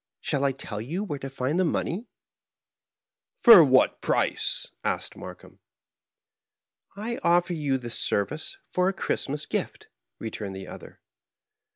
Shall I tell you where to find the money ?"" JFor what price ?" asked Markheim. "I offer you the service for a Christmas gift," re turned the other.